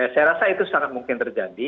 saya rasa itu sangat mungkin terjadi